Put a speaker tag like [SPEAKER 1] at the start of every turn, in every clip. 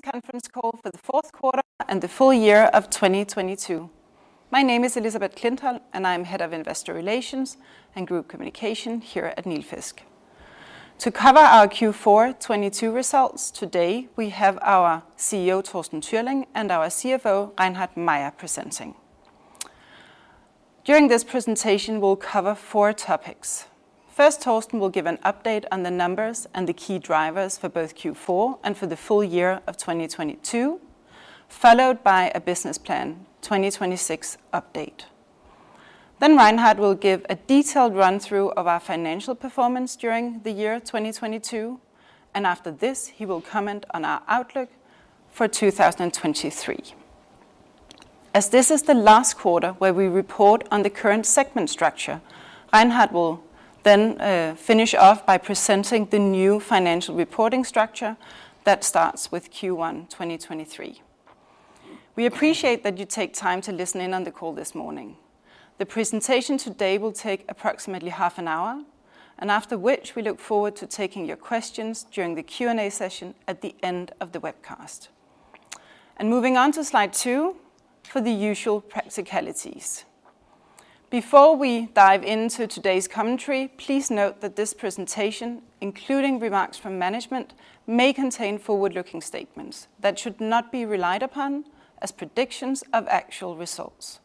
[SPEAKER 1] Conference call for Q4 and the Full Year of 2022. My name is Elisabeth Klintholm, and I am Head of Investor Relations and Group Communications here at Nilfisk. To cover our Q4 2022 results, today, we have our CEO, Torsten Türling, and our CFO, Reinhard Mayer, presenting. During this presentation, we'll cover four topics. First, Torsten will give an update on the numbers and the key drivers for both Q4 and for the full year of 2022, followed by a Business Plan 2026 update. Reinhard will give a detailed run-through of our financial performance during the year 2022, and after this, he will comment on our outlook for 2023. As this is the last quarter where we report on the current segment structure, Reinhard will then finish off by presenting the new financial reporting structure that starts with Q1 2023. We appreciate that you take time to listen in on the call this morning. The presentation today will take approximately half an hour, and after which we look forward to taking your questions during the Q&A session at the end of the webcast. Moving on to slide two for the usual practicalities. Before we dive into today's commentary, please note that this presentation, including remarks from management, may contain forward-looking statements that should not be relied upon as predictions of actual results.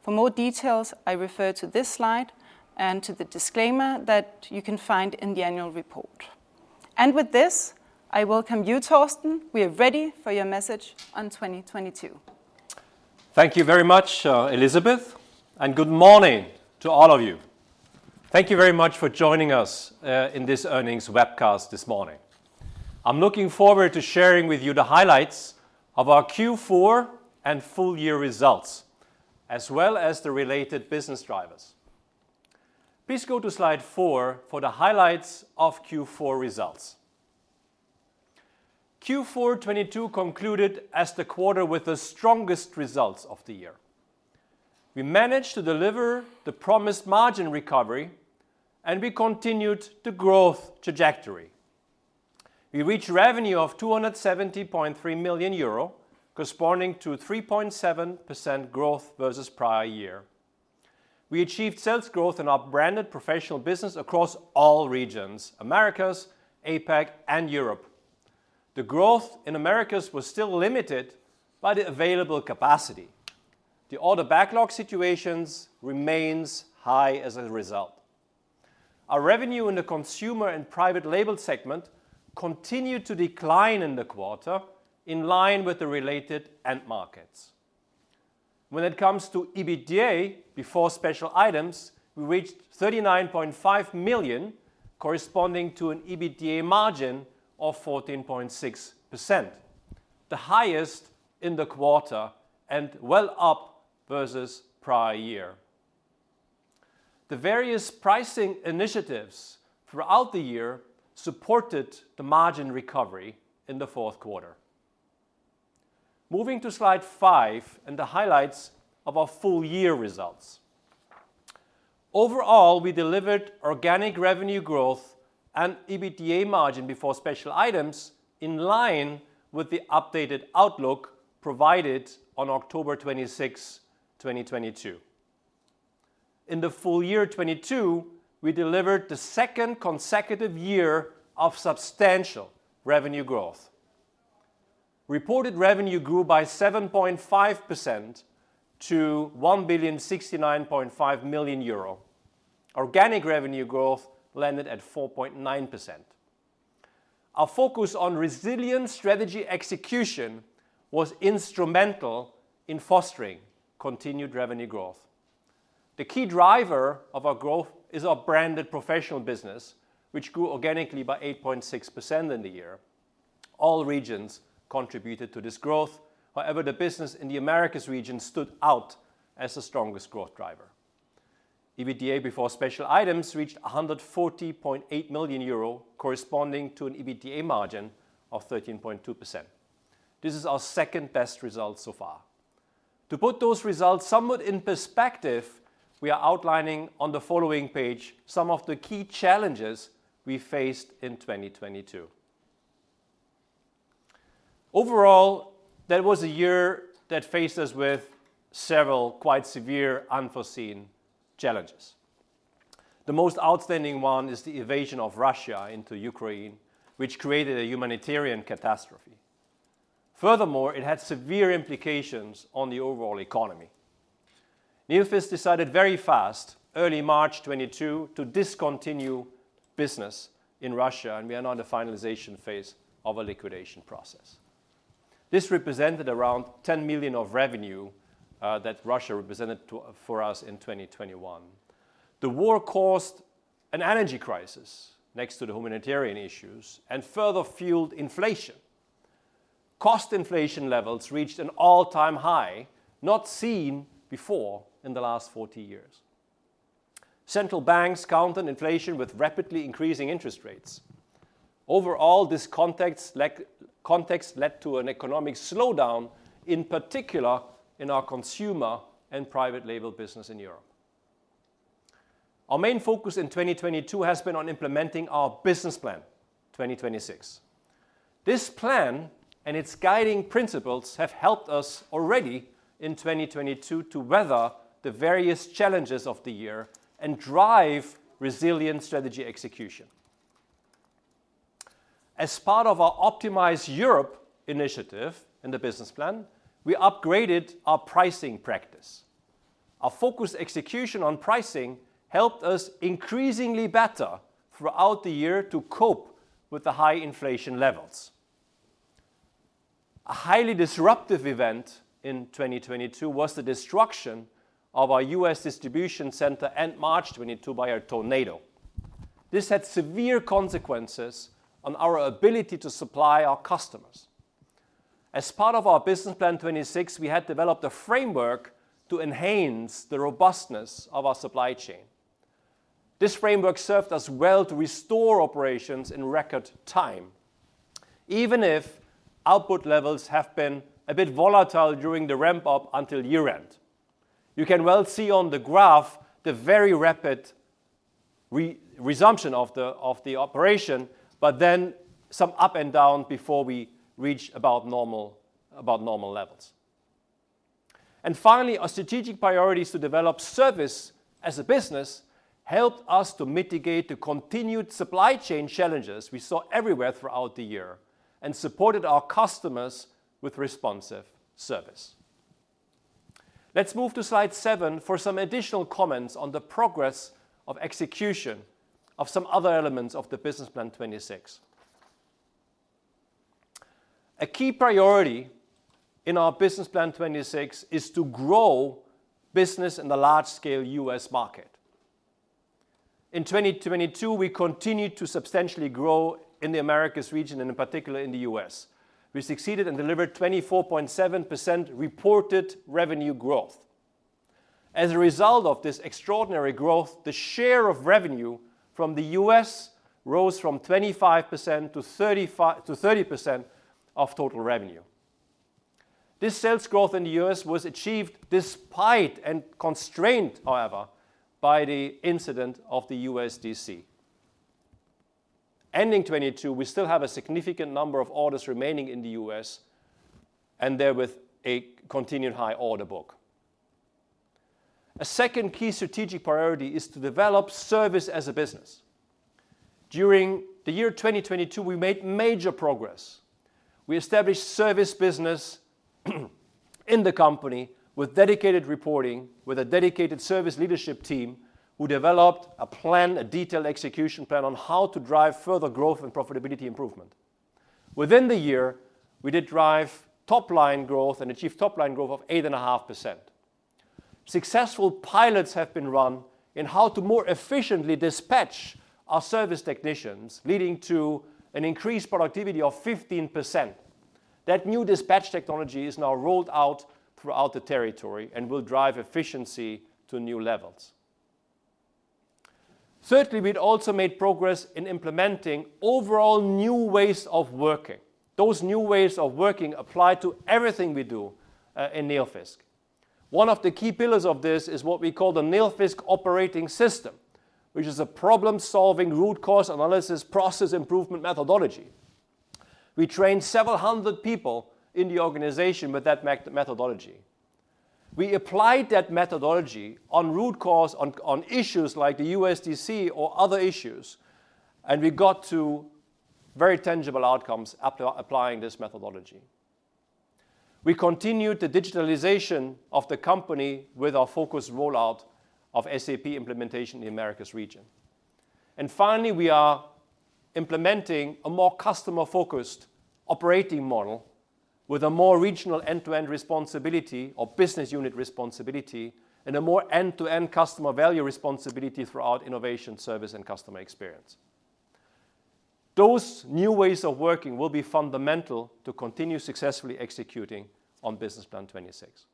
[SPEAKER 1] For more details, I refer to this slide and to the disclaimer that you can find in the annual report. With this, I welcome you, Torsten. We are ready for your message on 2022.
[SPEAKER 2] Thank you very much Elisabeth. Good morning to all of you. Thank you very much for joining us in this earnings webcast this morning. I'm looking forward to sharing with you the highlights of our Q4 and full year results, as well as the related business drivers. Please go to slide four for the highlights of Q4 results. Q4 2022 concluded as the quarter with the strongest results of the year. We managed to deliver the promised margin recovery. We continued the growth trajectory. We reached revenue of 270.3 million euro, corresponding to 3.7% growth versus prior year. We achieved sales growth in our branded professional business across all regions, Americas, APAC, and Europe. The growth in Americas was still limited by the available capacity. The order backlog situations remains high as a result. Our revenue in the consumer and private label segment continued to decline in the quarter in line with the related end markets. When it comes to EBITDA before special items, we reached 39.5 million, corresponding to an EBITDA margin of 14.6%, the highest in the quarter and well up versus prior year. The various pricing initiatives throughout the year supported the margin recovery in the fourth quarter. Moving to slide five and the highlights of our full year results. We delivered organic revenue growth and EBITDA margin before special items in line with the updated outlook provided on October 26, 2022. In the full year 2022, we delivered the second consecutive year of substantial revenue growth. Reported revenue grew by 7.5% to EUR 1 billion 69.5 million. Organic revenue growth landed at 4.9%. Our focus on resilient strategy execution was instrumental in fostering continued revenue growth. The key driver of our growth is our Branded Professional business, which grew organically by 8.6% in the year. All regions contributed to this growth. The business in the Americas region stood out as the strongest growth driver. EBITDA before special items reached 140.8 million euro, corresponding to an EBITDA margin of 13.2%. This is our second-best result so far. To put those results somewhat in perspective, we are outlining on the following page some of the key challenges we faced in 2022. That was a year that faced us with several quite severe unforeseen challenges. The most outstanding one is the invasion of Russia into Ukraine, which created a humanitarian catastrophe. It had severe implications on the overall economy. Nilfisk decided very fast, early March 2022, to discontinue business in Russia. We are now in the finalization phase of a liquidation process. This represented around 10 million of revenue that Russia represented for us in 2021. The war caused an energy crisis next to the humanitarian issues and further fueled inflation. Cost inflation levels reached an all-time high, not seen before in the last 40 years. Central banks countered inflation with rapidly increasing interest rates. This context led to an economic slowdown, in particular in our consumer and private label business in Europe. Our main focus in 2022 has been on implementing our Business Plan 2026. This plan and its guiding principles have helped us already in 2022 to weather the various challenges of the year and drive resilient strategy execution. As part of our Optimize Europe initiative in the business plan, we upgraded our pricing practice. Our focused execution on pricing helped us increasingly better throughout the year to cope with the high inflation levels. A highly disruptive event in 2022 was the destruction of our U.S. distribution center end March 2022 by a tornado. This had severe consequences on our ability to supply our customers. As part of our Business Plan 2026, we had developed a framework to enhance the robustness of our supply chain. This framework served us well to restore operations in record time, even if output levels have been a bit volatile during the ramp-up until year-end. You can well see on the graph the very rapid re-resumption of the operation, but then some up and down before we reach about normal levels. Finally, our strategic priorities to develop service as a business helped us to mitigate the continued supply chain challenges we saw everywhere throughout the year and supported our customers with responsive service. Let's move to slide seven for some additional comments on the progress of execution of some other elements of the Business Plan 2026. A key priority in our Business Plan 2026 is to grow business in the large-scale U.S. market. In 2022, we continued to substantially grow in the Americas region, and in particular in the U.S. We succeeded and delivered 24.7% reported revenue growth. As a result of this extraordinary growth, the share of revenue from the U.S. rose from 25% to 30% of total revenue. This sales growth in the U.S. was achieved despite and constrained, however, by the incident of the US DC. Ending 2022, we still have a significant number of orders remaining in the U.S. and therewith a continued high order book. A second key strategic priority is to develop service as a business. During the year 2022, we made major progress. We established service business in the company with dedicated reporting, with a dedicated service leadership team who developed a plan, a detailed execution plan, on how to drive further growth and profitability improvement. Within the year, we did drive top-line growth and achieved top-line growth of 8.5%. Successful pilots have been run in how to more efficiently dispatch our service technicians, leading to an increased productivity of 15%. That new dispatch technology is now rolled out throughout the territory and will drive efficiency to new levels. Thirdly, we'd also made progress in implementing overall new ways of working. Those new ways of working apply to everything we do in Nilfisk. One of the key pillars of this is what we call the Nilfisk Operating System, which is a problem-solving, root cause analysis, process improvement methodology. We trained several hundred people in the organization with that methodology. We applied that methodology on root cause on issues like the USDC or other issues, and we got to very tangible outcomes after applying this methodology. We continued the digitalization of the company with our focused rollout of SAP implementation in the Americas region. Finally, we are implementing a more customer-focused operating model with a more regional end-to-end responsibility or business unit responsibility and a more end-to-end customer value responsibility throughout innovation, service, and customer experience. Those new ways of working will be fundamental to continue successfully executing on Business Plan 2026.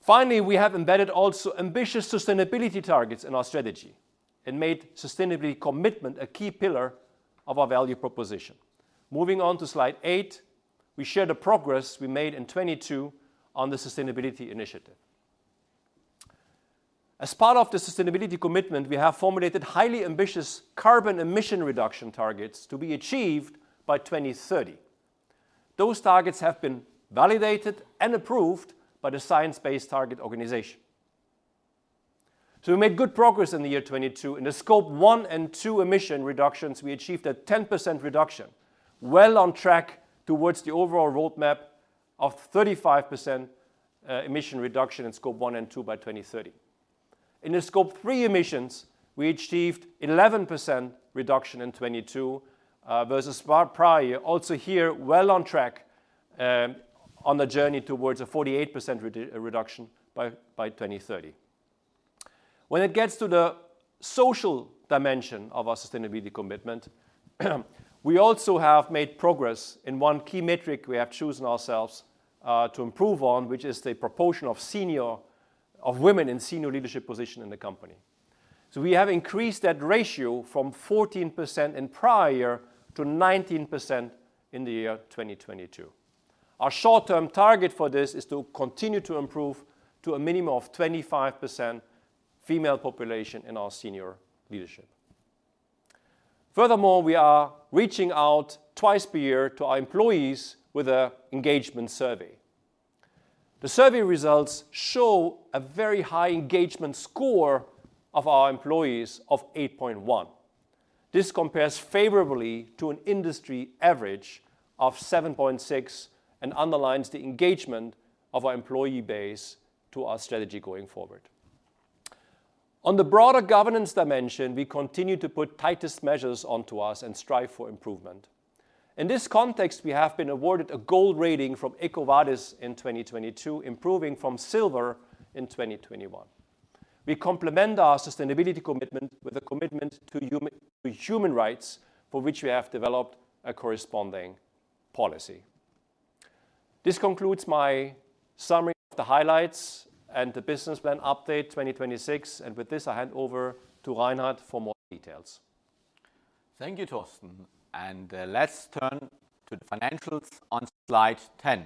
[SPEAKER 2] Finally, we have embedded also ambitious sustainability targets in our strategy and made sustainability commitment a key pillar of our value proposition. Moving on to slide eight, we share the progress we made in 2022 on the sustainability initiative. As part of the sustainability commitment, we have formulated highly ambitious carbon emission reduction targets to be achieved by 2030. Those targets have been validated and approved by the Science Based Targets initiative. We made good progress in the year 2022. In the Scope 1 and 2 emission reductions, we achieved a 10% reduction, well on track towards the overall roadmap of 35% emission reduction in Scope 1 and 2 by 2030. In the Scope 3 emissions, we achieved 11% reduction in 2022 versus far prior. Also here, well on track, on the journey towards a 48% reduction by 2030. When it gets to the social dimension of our sustainability commitment, we also have made progress in one key metric we have chosen ourselves to improve on, which is the proportion of women in senior leadership position in the company. We have increased that ratio from 14% in prior to 19% in the year 2022. Our short-term target for this is to continue to improve to a minimum of 25% female population in our senior leadership. We are reaching out twice per year to our employees with a engagement survey. The survey results show a very high engagement score of our employees of 8.1. This compares favorably to an industry average of 7.6 and underlines the engagement of our employee base to our strategy going forward. On the broader governance dimension, we continue to put tightest measures onto us and strive for improvement. In this context, we have been awarded a Gold rating from EcoVadis in 2022, improving from Silver in 2021. We complement our sustainability commitment with a commitment to human rights for which we have developed a corresponding policy. This concludes my summary of the highlights and the Business Plan 2026, and with this, I hand over to Reinhard for more details.
[SPEAKER 3] Thank you Torsten. Let's turn to the financials on slide 10.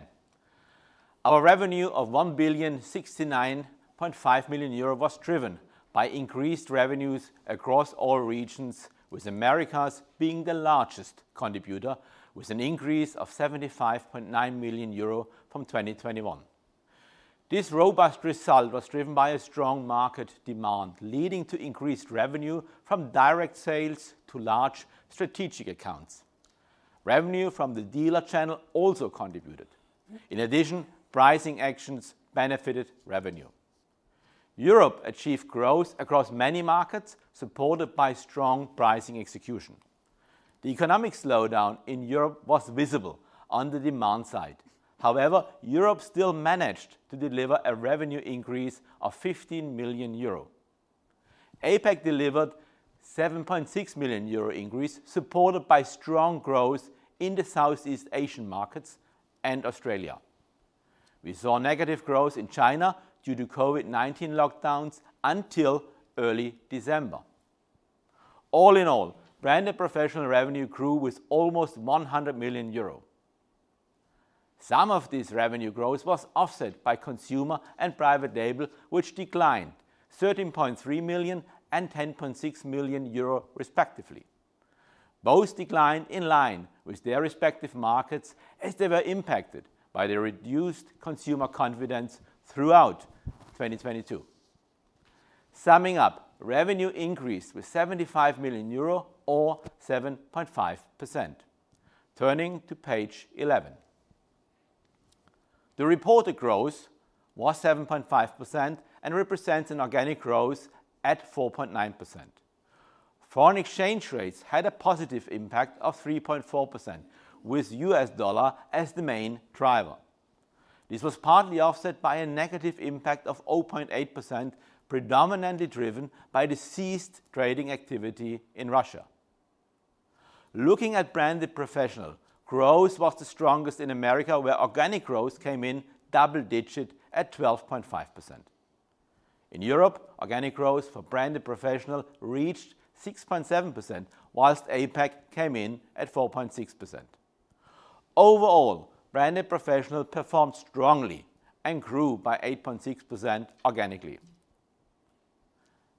[SPEAKER 3] Our revenue of 1,069.5 million euro was driven by increased revenues across all regions, with Americas being the largest contributor with an increase of 75.9 million euro from 2021. This robust result was driven by a strong market demand, leading to increased revenue from direct sales to large strategic accounts. Revenue from the dealer channel also contributed. In addition, pricing actions benefited revenue. Europe achieved growth across many markets, supported by strong pricing execution. The economic slowdown in Europe was visible on the demand side. However, Europe still managed to deliver a revenue increase of 15 million euro. APAC delivered 7.6 million euro increase, supported by strong growth in the Southeast Asian markets and Australia. We saw negative growth in China due to COVID-19 lockdowns until early December. All in all, branded professional revenue grew with almost 100 million euro. Some of this revenue growth was offset by consumer and private label, which declined 13.3 million and 10.6 million euro respectively. Both declined in line with their respective markets as they were impacted by the reduced consumer confidence throughout 2022. Summing up, revenue increased with 75 million euro or 7.5%. Turning to page 11. The reported growth was 7.5% and represents an organic growth at 4.9%. Foreign exchange rates had a positive impact of 3.4%, with US dollar as the main driver. This was partly offset by a negative impact of 0.8%, predominantly driven by the ceased trading activity in Russia. Looking at branded professional, growth was the strongest in America where organic growth came in double digit at 12.5%. In Europe, organic growth for branded professional reached 6.7% whilst APAC came in at 4.6%. Overall, branded professional performed strongly and grew by 8.6% organically.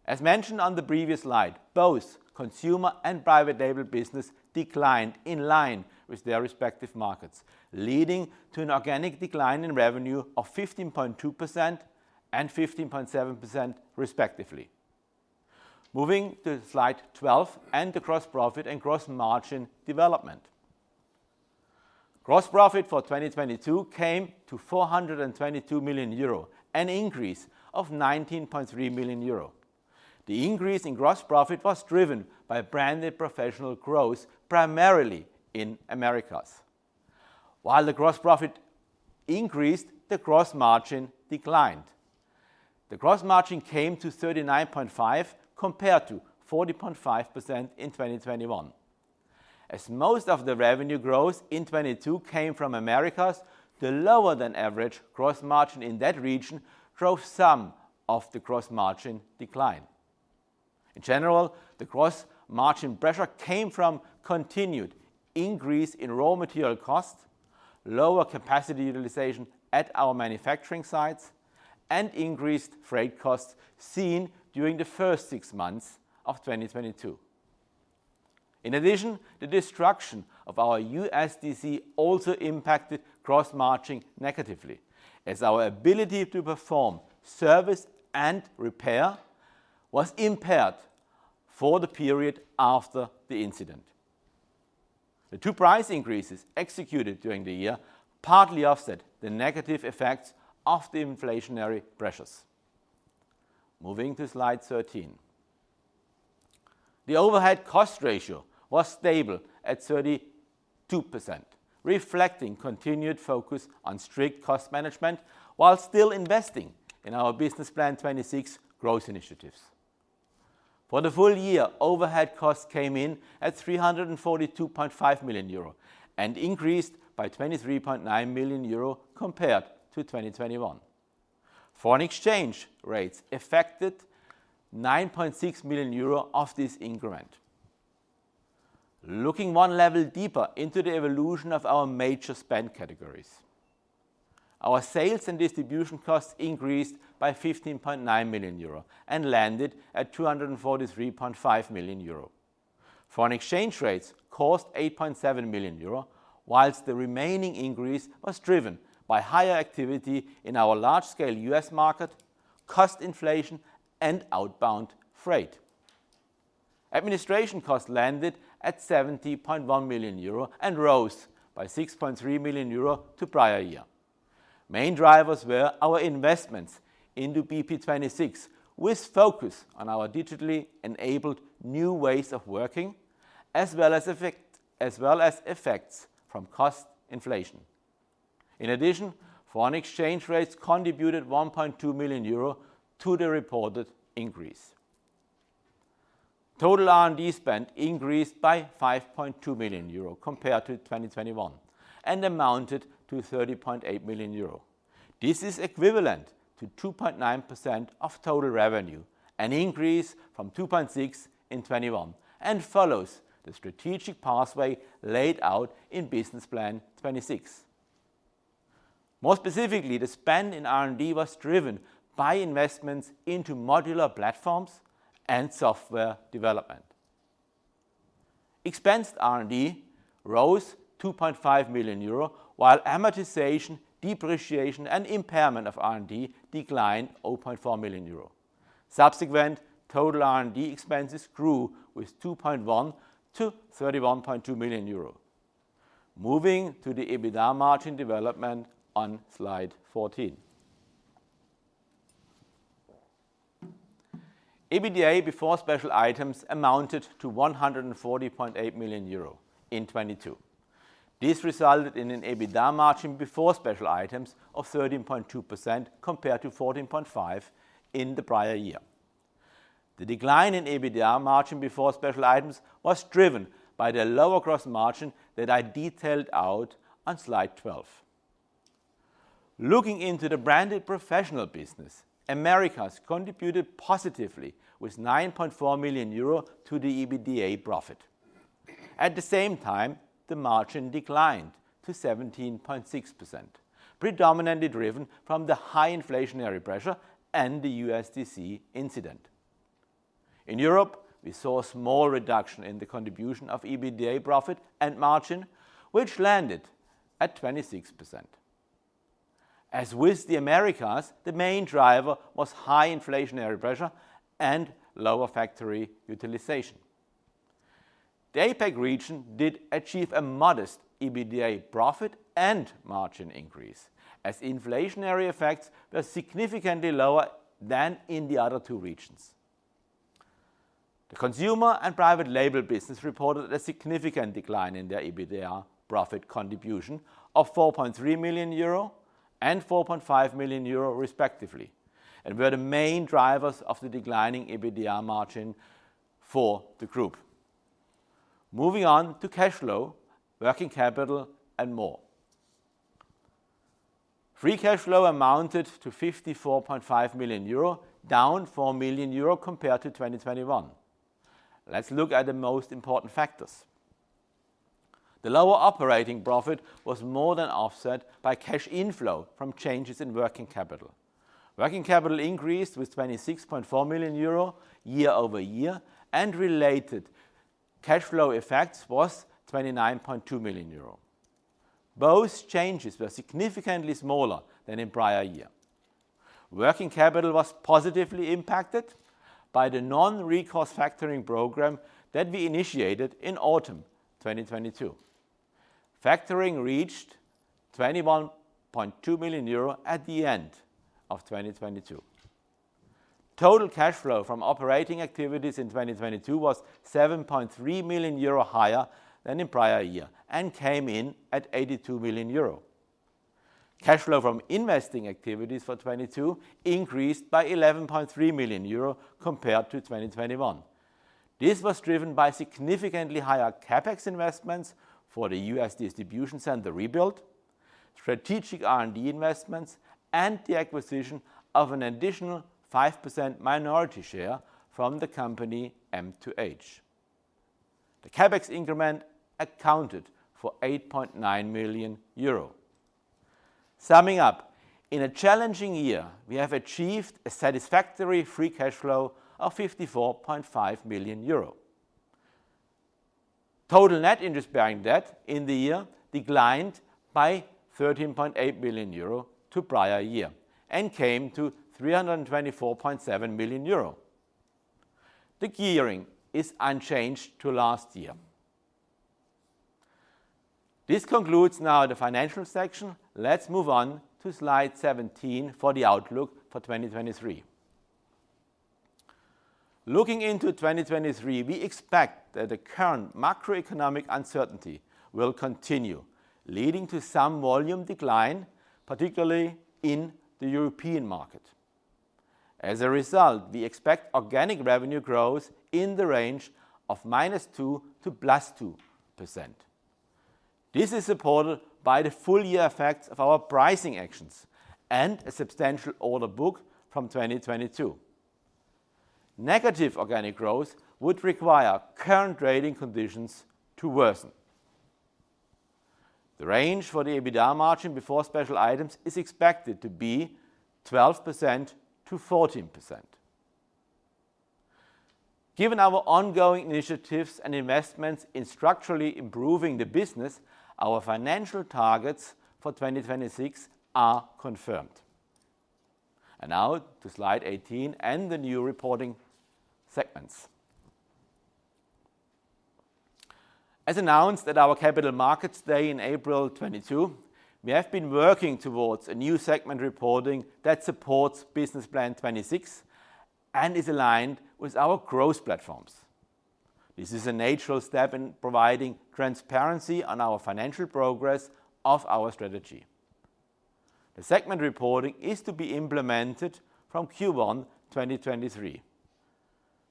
[SPEAKER 3] As mentioned on the previous slide, both consumer and private label business declined in line with their respective markets, leading to an organic decline in revenue of 15.2% and 15.7% respectively. Moving to slide 12 and the gross profit and gross margin development. Gross profit for 2022 came to 422 million euro, an increase of 19.3 million euro. The increase in gross profit was driven by branded professional growth primarily in Americas. While the gross profit increased, the gross margin declined. The gross margin came to 39.5% compared to 40.5% in 2021. Most of the revenue growth in 2022 came from Americas, the lower than average gross margin in that region drove some of the gross margin decline. In general, the gross margin pressure came from continued increase in raw material cost, lower capacity utilization at our manufacturing sites, and increased freight costs seen during the first six months of 2022. The destruction of our USDC also impacted gross margin negatively as our ability to perform service and repair was impaired for the period after the incident. The two price increases executed during the year partly offset the negative effects of the inflationary pressures. Moving to slide 13. The overhead cost ratio was stable at 32%, reflecting continued focus on strict cost management while still investing in our Business Plan 2026 growth initiatives. For the full year, overhead costs came in at 342.5 million euro and increased by 23.9 million euro compared to 2021. Foreign exchange rates affected 9.6 million euro of this increment. Looking one level deeper into the evolution of our major spend categories. Our sales and distribution costs increased by 15.9 million euro and landed at 243.5 million euro. Foreign exchange rates cost 8.7 million euro, whilst the remaining increase was driven by higher activity in our large-scale U.S. market, cost inflation, and outbound freight. Administration costs landed at 70.1 million euro and rose by 6.3 million euro to prior year. Main drivers were our investments into BP26, with focus on our digitally enabled new ways of working as well as effects from cost inflation. In addition, foreign exchange rates contributed 1.2 million euro to the reported increase. Total R&D spend increased by 5.2 million euro compared to 2021, and amounted to 30.8 million euro. This is equivalent to 2.9% of total revenue, an increase from 2.6% in 2021, and follows the strategic pathway laid out in Business Plan 2026. More specifically, the spend in R&D was driven by investments into modular platforms and software development. Expensed R&D rose 2.5 million euro, while amortization, depreciation, and impairment of R&D declined 0.4 million euro. Subsequent total R&D expenses grew with 2.1 to 31.2 million euro. Moving to the EBITDA margin development on slide 14. EBITDA before special items amounted to 140.8 million euro in 2022. This resulted in an EBITDA margin before special items of 13.2% compared to 14.5% in the prior year. The decline in EBITDA margin before special items was driven by the lower gross margin that I detailed out on slide 12. Looking into the branded professional business, Americas contributed positively with 9.4 million euro to the EBITDA profit. At the same time, the margin declined to 17.6%, predominantly driven from the high inflationary pressure and the USDC incident. In Europe, we saw a small reduction in the contribution of EBITDA profit and margin, which landed at 26%. As with the Americas, the main driver was high inflationary pressure and lower factory utilization. The APAC region did achieve a modest EBITDA profit and margin increase, as inflationary effects were significantly lower than in the other two regions. The Consumer and Private Label business reported a significant decline in their EBITDA profit contribution of 4.3 million euro and 4.5 million euro respectively, and were the main drivers of the declining EBITDA margin for the group. Moving on to cash flow, working capital, and more. Free cash flow amounted to 54.5 million euro, down 4 million euro compared to 2021. Let's look at the most important factors. The lower operating profit was more than offset by cash inflow from changes in working capital. Working capital increased with 26.4 million euro year-over-year, and related cash flow effects was 29.2 million euro. Both changes were significantly smaller than in prior year. Working capital was positively impacted by the non-recourse factoring program that we initiated in autumn 2022. Factoring reached 21.2 million euro at the end of 2022. Total cash flow from operating activities in 2022 was 7.3 million euro higher than in prior year and came in at 82 million euro. Cash flow from investing activities for 2022 increased by 11.3 million euro compared to 2021. This was driven by significantly higher CapEx investments for the US distribution center rebuild, strategic R&D investments, and the acquisition of an additional 5% minority share from the company M2H. The CapEx increment accounted for 8.9 million euro. Summing up, in a challenging year, we have achieved a satisfactory free cash flow of 54.5 million euro. Total net interest-bearing debt in the year declined by 13.8 million euro to prior year and came to 324.7 million euro. The gearing is unchanged to last year. This concludes now the financial section. Let's move on to slide 17 for the outlook for 2023. Looking into 2023, we expect that the current macroeconomic uncertainty will continue, leading to some volume decline, particularly in the European market. As a result, we expect organic revenue growth in the range of -2% to +2%. This is supported by the full year effects of our pricing actions and a substantial order book from 2022. Negative organic growth would require current trading conditions to worsen. The range for the EBITDA margin before special items is expected to be 12%-14%. Given our ongoing initiatives and investments in structurally improving the business, our financial targets for 2026 are confirmed. Now to slide 18 and the new reporting segments. As announced at our Capital Markets Day in April 2022, we have been working towards a new segment reporting that supports Business Plan 2026 and is aligned with our growth platforms. This is a natural step in providing transparency on our financial progress of our strategy. The segment reporting is to be implemented from Q1 2023.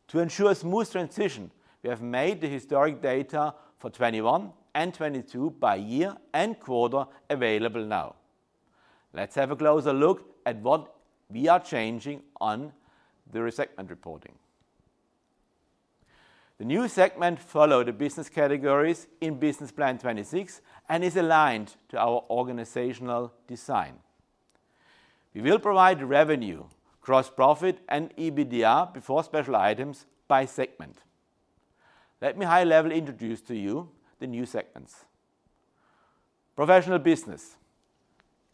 [SPEAKER 3] To ensure a smooth transition, we have made the historic data for 2021 and 2022 by year and quarter available now. Let's have a closer look at what we are changing on the segment reporting. The new segment follow the business categories in Business Plan 2026 and is aligned to our organizational design. We will provide revenue, gross profit and EBITDA before special items by segment. Let me high level introduce to you the new segments. Professional business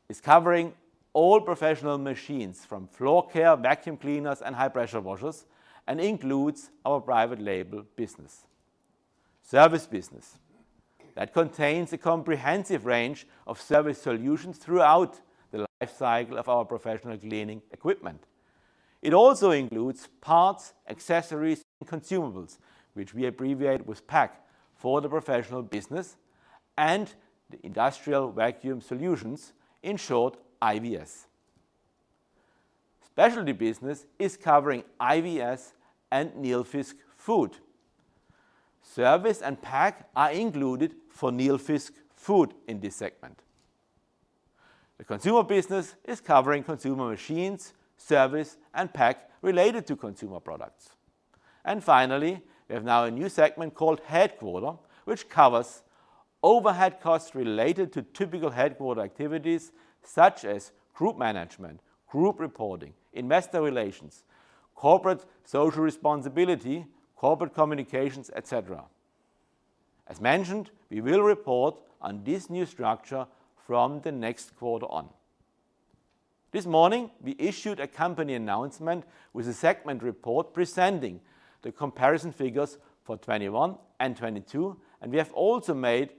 [SPEAKER 3] is covering all professional machines from Floorcare, vacuum cleaners and high-pressure washers, and includes our private label business. Service business that contains a comprehensive range of service solutions throughout the life cycle of our professional cleaning equipment. It also includes parts, accessories and consumables, which we abbreviate with PAC for the professional business and the industrial vacuum solutions, in short, IVS. Specialty business is covering IVS and Nilfisk FOOD. Service and PAC are included for Nilfisk FOOD in this segment. The consumer business is covering consumer machines, service and PAC related to consumer products. Finally, we have now a new segment called headquarters, which covers overhead costs related to typical headquarters activities such as group management, group reporting, investor relations, corporate social responsibility, corporate communications, et cetera. As mentioned, we will report on this new structure from the next quarter on. This morning, we issued a company announcement with a segment report presenting the comparison figures for 21 and 2022, and we have also made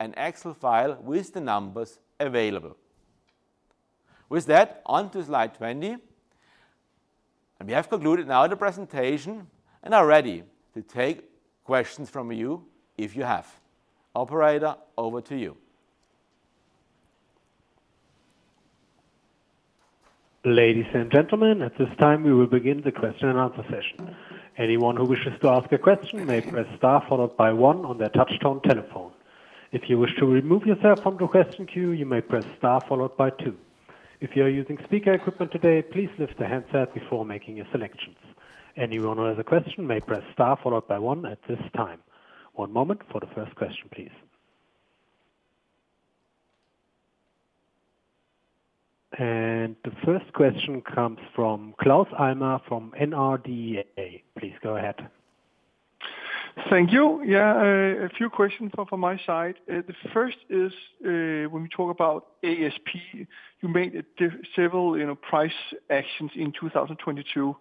[SPEAKER 3] an Excel file with the numbers available. With that, on to slide 20. We have concluded now the presentation and are ready to take questions from you if you have. Operator, over to you.
[SPEAKER 4] Ladies and gentlemen, at this time we will begin the question and answer session. Anyone who wishes to ask a question may press star followed by one on their touchtone telephone. If you wish to remove yourself from the question queue, you may press star followed by two. If you are using speaker equipment today, please lift the handset before making your selections. Anyone who has a question may press star followed by one at this time. One moment for the first question, please. The first question comes from Claus Almer from Nordea. Please go ahead.
[SPEAKER 5] Thank you. Yeah, a few questions from my side. The first is, when we talk about ASP, you made several, you know, price actions in 2022.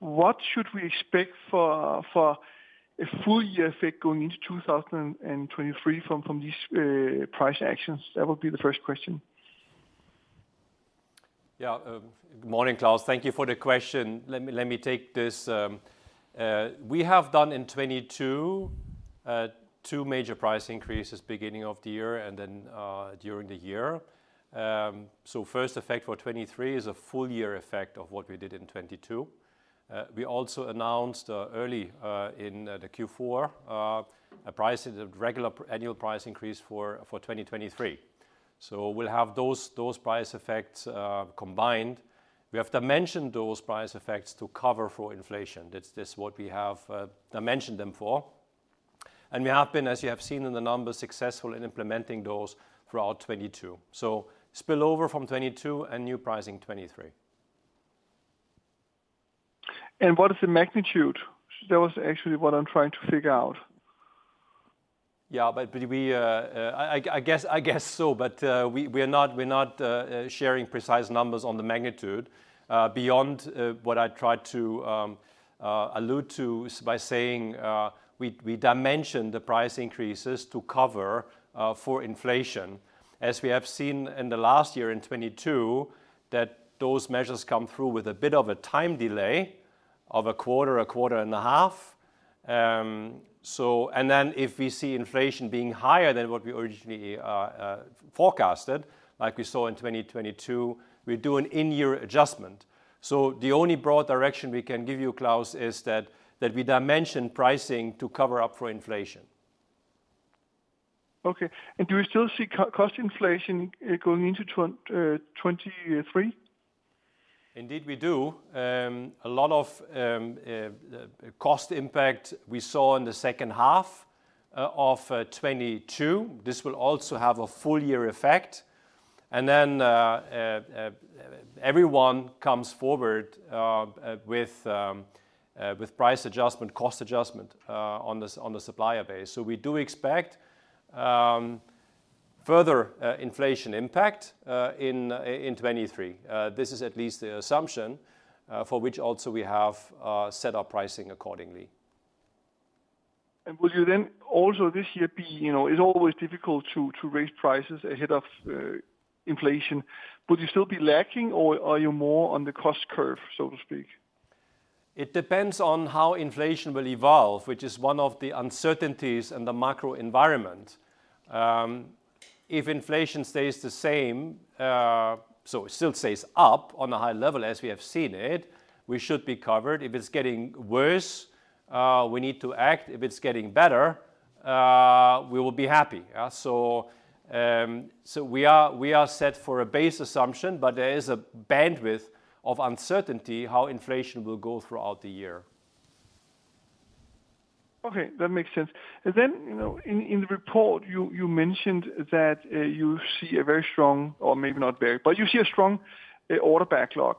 [SPEAKER 5] What should we expect for a full year effect going into 2023 from these price actions? That would be the first question.
[SPEAKER 2] Good morning Claus. Thank you for the question. Let me take this. We have done in 2022 two major price increases beginning of the year and then during the year. First effect for 2023 is a full year effect of what we did in 2022. We also announced early in the Q4 the regular annual price increase for 2023. We'll have those price effects combined. We have dimensioned those price effects to cover for inflation. That's just what we have dimensioned them for. We have been, as you have seen in the numbers, successful in implementing those throughout 2022. Spillover from 2022 and new pricing 2023.
[SPEAKER 5] What is the magnitude? That was actually what I'm trying to figure out.
[SPEAKER 1] Yeah, we, I guess so, but we are not, we're not sharing precise numbers on the magnitude beyond what I tried to allude to by saying we dimension the price increases to cover for inflation. As we have seen in the last year in 2022, that those measures come through with a bit of a time delay of a quarter, a quarter and a half. If we see inflation being higher than what we originally forecasted, like we saw in 2022, we do an in-year adjustment. The only broad direction we can give you, Claus, is that we dimension pricing to cover up for inflation.
[SPEAKER 5] Okay. Do you still see cost inflation, going into 2023?
[SPEAKER 2] Indeed, we do. A lot of cost impact we saw in the H2 of 2022. This will also have a full year effect. Then everyone comes forward with price adjustment, cost adjustment on the supplier base. We do expect further inflation impact in 2023. This is at least the assumption for which also we have set our pricing accordingly.
[SPEAKER 5] You know, it's always difficult to raise prices ahead of inflation. Would you still be lacking, or are you more on the cost curve, so to speak?
[SPEAKER 2] It depends on how inflation will evolve, which is one of the uncertainties in the macro environment. If inflation stays the same, so it still stays up on a high level as we have seen it, we should be covered. If it's getting worse, we need to act. If it's getting better, we will be happy. We are, we are set for a base assumption, but there is a bandwidth of uncertainty how inflation will go throughout the year.
[SPEAKER 5] Okay, that makes sense. You know, in the report, you mentioned that, you see a very strong, or maybe not very, but you see a strong, order backlog.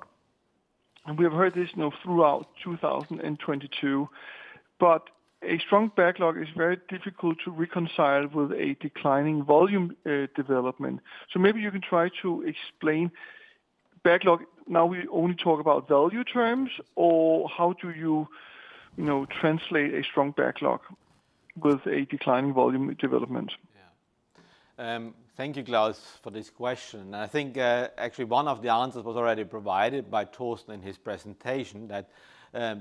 [SPEAKER 5] We have heard this, you know, throughout 2022. A strong backlog is very difficult to reconcile with a declining volume, development. Maybe you can try to explain backlog. Now we only talk about value terms or how do you know, translate a strong backlog with a declining volume development?
[SPEAKER 3] Thank you Claus, for this question. I think actually one of the answers was already provided by Torsten in his presentation that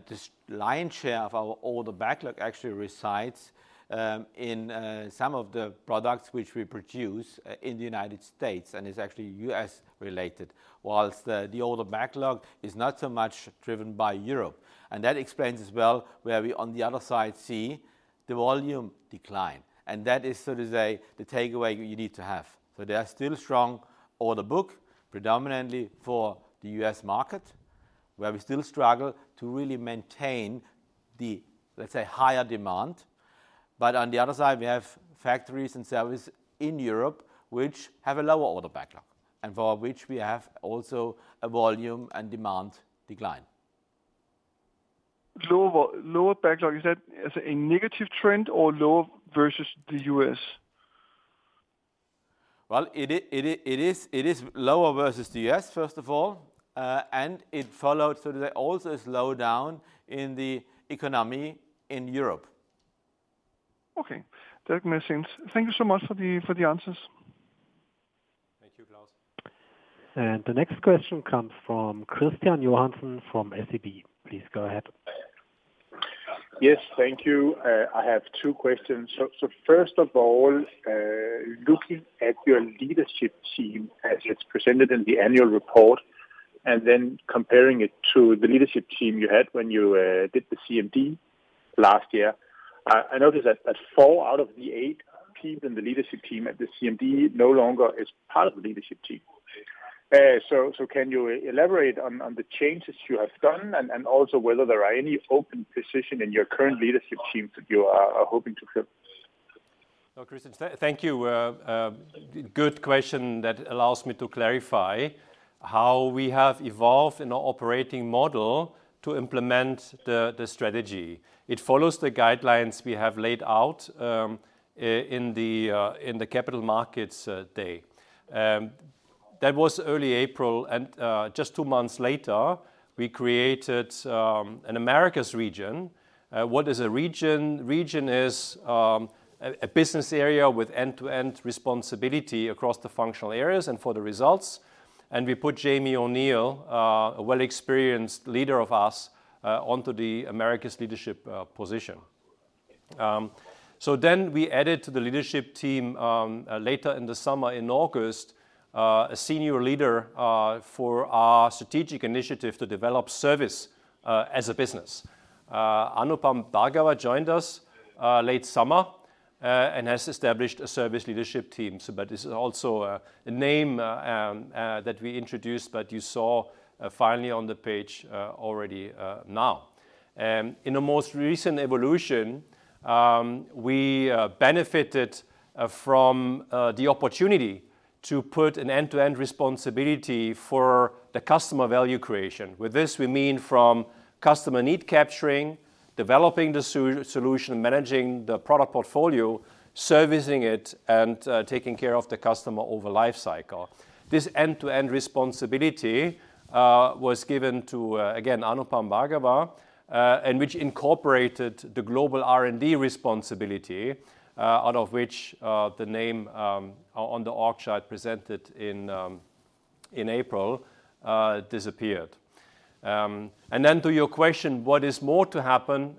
[SPEAKER 3] this lion's share of our order backlog actually resides in some of the products which we produce in the U.S. and is actually U.S. related. Whilst the order backlog is not so much driven by Europe. That explains as well where we on the other side see the volume decline. That is so to say the takeaway you need to have. There are still strong order book predominantly for the U.S. market, where we still struggle to really maintain the higher demand. On the other side, we have factories and service in Europe which have a lower order backlog, and for which we have also a volume and demand decline.
[SPEAKER 5] Lower backlog, is that as a negative trend or lower versus the U.S.?
[SPEAKER 3] Well, it is lower versus the U.S., first of all. It followed, so to say, also a slowdown in the economy in Europe.
[SPEAKER 5] Okay. That makes sense. Thank you so much for the answers.
[SPEAKER 2] Thank you, Claus.
[SPEAKER 4] The next question comes from Kristian Johansen from SEB. Please go ahead.
[SPEAKER 6] Yes. Thank you. I have two questions. First of all, looking at your leadership team as it's presented in the annual report and then comparing it to the leadership team you had when you did the CMD last year, I noticed that four out of the eight people in the leadership team at the CMD no longer is part of the leadership team. Can you elaborate on the changes you have done and also whether there are any open position in your current leadership team that you are hoping to fill?
[SPEAKER 2] No, Kristian thank you. Good question that allows me to clarify how we have evolved in our operating model to implement the strategy. It follows the guidelines we have laid out in the Capital Markets Day. That was early April, just two months later, we created an Americas region. What is a region? Region is a business area with end-to-end responsibility across the functional areas and for the results. We put Jamie O'Neill, a well-experienced leader of us, onto the Americas leadership position. We added to the leadership team later in the summer in August, a senior leader for our strategic initiative to develop service as a business. Anupam Bhargava joined us late summer and has established a service leadership team. But this is also a name that we introduced, but you saw finally on the page already now. In the most recent evolution, we benefited from the opportunity to put an end-to-end responsibility for the customer value creation. With this, we mean from customer need capturing, developing the solution, managing the product portfolio, servicing it, and taking care of the customer over life cycle. This end-to-end responsibility was given to again, Anupam Bhargava, and which incorporated the global R&D responsibility, out of which the name on the org chart presented in April disappeared. To your question, what is more to happen,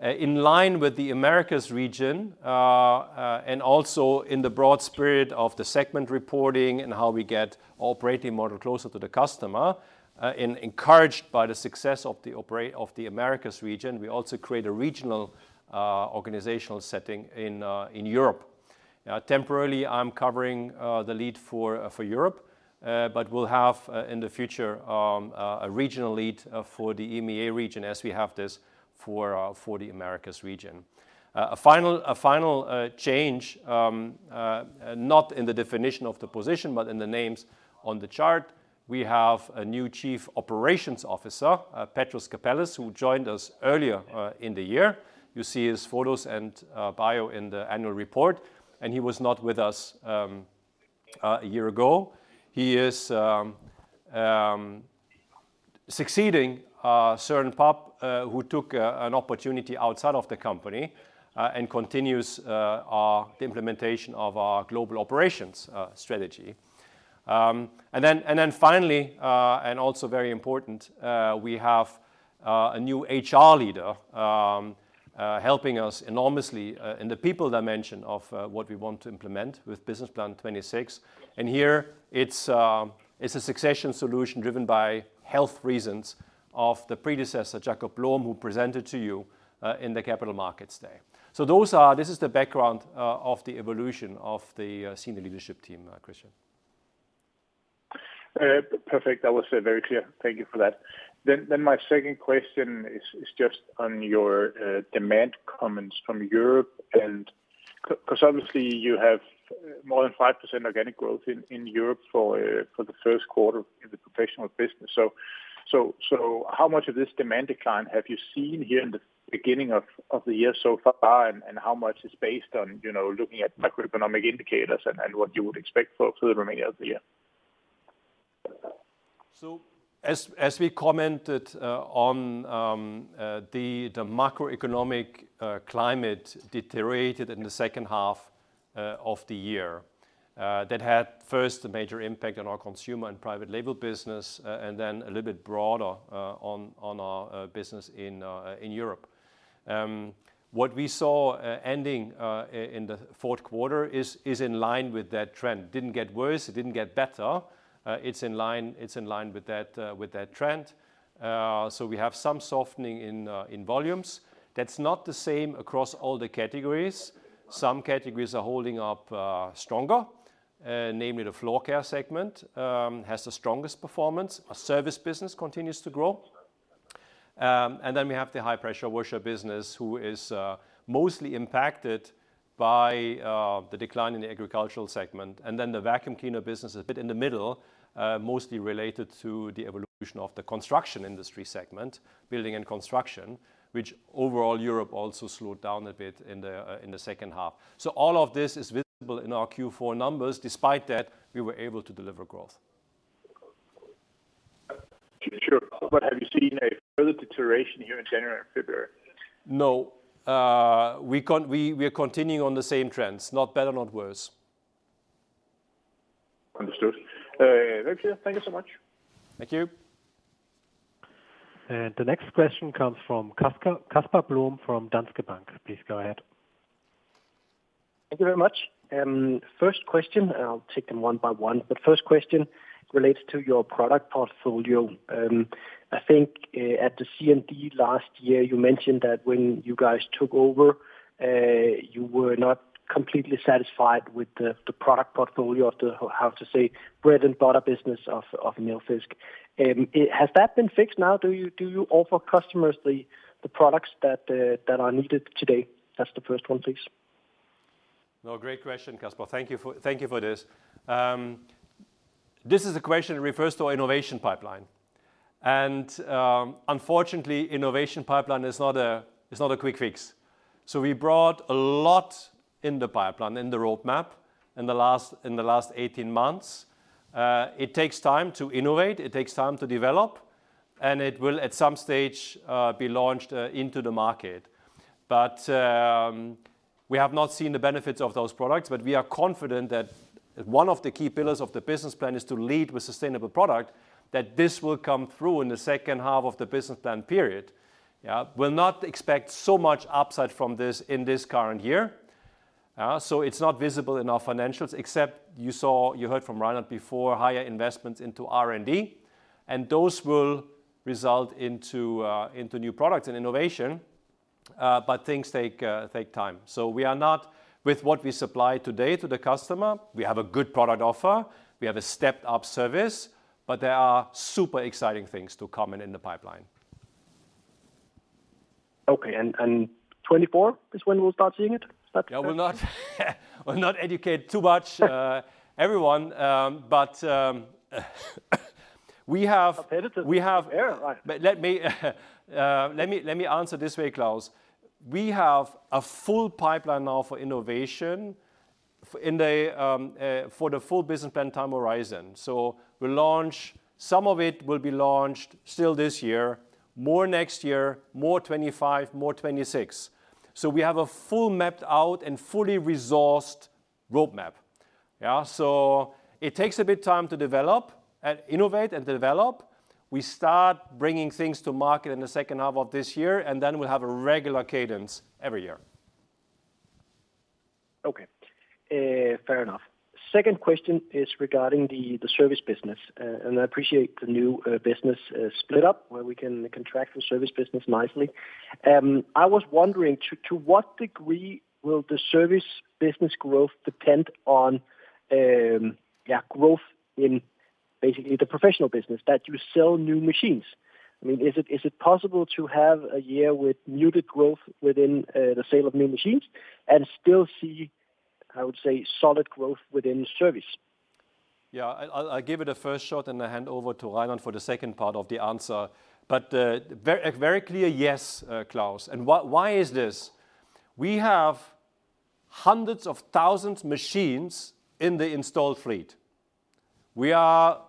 [SPEAKER 2] in line with the America's region, and also in the broad spirit of the segment reporting and how we get operating model closer to the customer, and encouraged by the success of the Americas region, we also create a regional organizational setting in Europe. Temporarily, I'm covering the lead for Europe, but we'll have in the future a regional lead for the EMEA region as we have this for the Americas region. A final change, not in the definition of the position, but in the names on the chart, we have a new chief operations officer, Petros Kapellas, who joined us earlier in the year. You see his photos and bio in the annual report, and he was not with us a year ago. He is succeeding Søren Pap-Tolstrup, who took an opportunity outside of the company, and continues our, the implementation of our global operations strategy. Finally, and also very important, we have a new HR leader helping us enormously in the people dimension of what we want to implement with Business Plan 2026. Here it's a succession solution driven by health reasons of the predecessor, Jacob Blom, who presented to you in the Capital Markets Day. This is the background of the evolution of the senior leadership team, Kristian.
[SPEAKER 6] Perfect. That was very clear. Thank you for that. My second question is just on your demand comments from Europe 'cause obviously you have more than 5% organic growth in Europe for the first quarter in the professional business. How much of this demand decline have you seen here in the beginning of the year so far? How much is based on, you know, looking at macroeconomic indicators and what you would expect for the remaining of the year?
[SPEAKER 2] As we commented, on the macroeconomic climate deteriorated in the H2 of the year. That had first a major impact on our consumer and private label business, and then a little bit broader on our business in Europe. What we saw ending in the fourth quarter is in line with that trend. Didn't get worse, it didn't get better. It's in line with that trend. We have some softening in volumes. That's not the same across all the categories. Some categories are holding up stronger, namely the Floorcare segment has the strongest performance. Our service business continues to grow. Then we have the high-pressure washer business who is mostly impacted by the decline in the agricultural segment. Then the vacuum cleaner business a bit in the middle, mostly related to the evolution of the construction industry segment, building and construction, which overall Europe also slowed down a bit in the H2. All of this is visible in our Q4 numbers. Despite that, we were able to deliver growth.
[SPEAKER 6] Sure. Have you seen a further deterioration here in January and February?
[SPEAKER 2] No. We are continuing on the same trends. Not better, not worse.
[SPEAKER 6] Understood. Very clear. Thank you so much.
[SPEAKER 2] Thank you.
[SPEAKER 4] The next question comes from Casper, Casper Blom from Danske Bank. Please go ahead.
[SPEAKER 7] Thank you very much. First question, and I'll take them one by one, but first question relates to your product portfolio. I think, at the CMD last year, you mentioned that when you guys took over, you were not completely satisfied with the product portfolio of the, how to say, bread and butter business of Nilfisk. Has that been fixed now? Do you offer customers the products that are needed today? That's the first one, please.
[SPEAKER 2] No, great question Casper. Thank you for, thank you for this. This is a question refers to our innovation pipeline. Unfortunately, innovation pipeline is not a, it's not a quick fix. We brought a lot in the pipeline, in the roadmap in the last, in the last 18 months. It takes time to innovate, it takes time to develop, and it will at some stage, be launched, into the market. We have not seen the benefits of those products, but we are confident that one of the key pillars of the business plan is to lead with sustainable product, that this will come through in the H2 of the business plan period. We'll not expect so much upside from this in this current year. It's not visible in our financials except you saw, you heard from Reinhard before, higher investments into R&D, and those will result into new products and innovation. Things take time. We are not with what we supply today to the customer. We have a good product offer. We have a stepped-up service, but there are super exciting things to come and in the pipeline.
[SPEAKER 7] Okay. And 2024 is when we'll start seeing it?
[SPEAKER 2] Yeah, we'll not educate too much, everyone, but.
[SPEAKER 7] Competitive.
[SPEAKER 2] We have.
[SPEAKER 7] Yeah. Right.
[SPEAKER 2] let me answer this way, Claus. We have a full pipeline now for innovation in the for the full business plan time horizon. we'll launch. Some of it will be launched still this year. More next year, more 2025, more 2026. we have a full mapped out and fully resourced roadmap. Yeah. it takes a bit time to develop and innovate and develop. We start bringing things to market in the H2 of this year, and then we'll have a regular cadence every year.
[SPEAKER 7] Okay. Fair enough. Second question is regarding the service business. I appreciate the new business split up where we can contract the service business nicely. I was wondering to what degree will the service business growth depend on, yeah, growth in basically the professional business that you sell new machines? I mean, is it possible to have a year with muted growth within the sale of new machines and still see, I would say, solid growth within service?
[SPEAKER 2] I'll give it a first shot and then hand over to Reinhard for the second part of the answer. very, very clear yes, Claus. Why is this? We have hundreds of thousands machines in the installed fleet. We are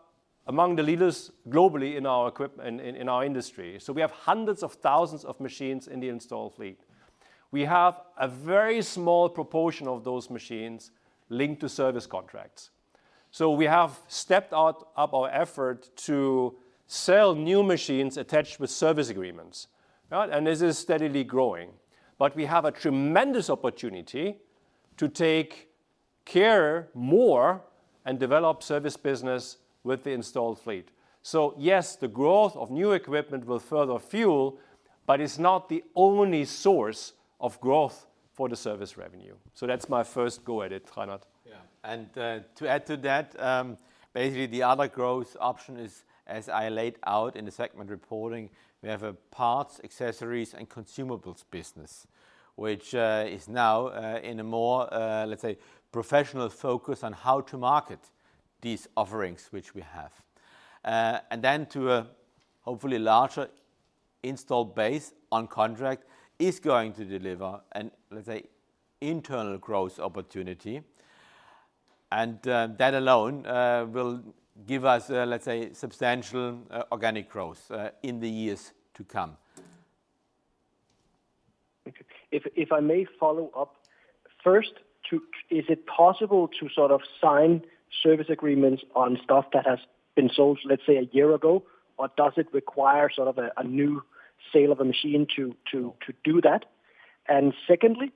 [SPEAKER 2] among the leaders globally in our industry. We have hundreds of thousands of machines in the installed fleet. We have a very small proportion of those machines linked to service contracts. We have stepped up our effort to sell new machines attached with service agreements. This is steadily growing. We have a tremendous opportunity to take care more and develop service business with the installed fleet. Yes, the growth of new equipment will further fuel, but it's not the only source of growth for the service revenue. That's my first go at it. Reinhard.
[SPEAKER 3] Yeah. To add to that, basically the other growth option is, as I laid out in the segment reporting, we have a parts, accessories, and consumables business, which is now in a more, let's say, professional focus on how to market these offerings which we have. Then to a hopefully larger installed base on contract is going to deliver an, let's say, internal growth opportunity. That alone will give us, let's say, substantial organic growth in the years to come.
[SPEAKER 7] Okay. If I may follow up. First, Is it possible to sort of sign service agreements on stuff that has been sold, let's say, a year ago? Or does it require sort of a new sale of a machine to do that? Secondly,